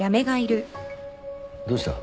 どうした？